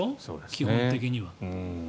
基本的には。